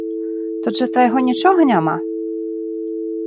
Тут жа твайго нічога няма?